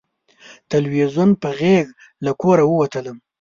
تلویزیون په غېږ له کوره ووتلم